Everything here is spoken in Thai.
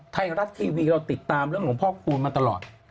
ไทยรัฐทีวีเราติดตามเรื่องหลวงพ่อคูณมาตลอด